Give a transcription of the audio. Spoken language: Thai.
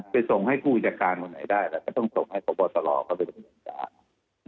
ไปส่งให้ผู้จัดการบางไหนได้แล้วมันก็ต้องส่งให้ผอบอตรเขาไปบริษัชา